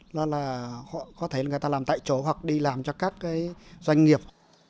đó là có thể người ta làm tại chỗ hoặc đi làm cho các doanh nghiệp